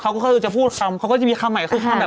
เขาก็คือจะพูดคำเขาก็จะมีคำใหม่คือคำแบบ